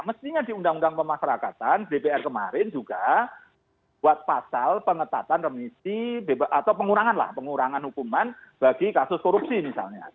mestinya di undang undang pemasarakatan dpr kemarin juga buat pasal pengetatan remisi atau pengurangan lah pengurangan hukuman bagi kasus korupsi misalnya